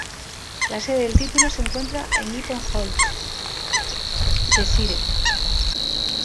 La sede del título se encuentra en Eaton Hall, Cheshire.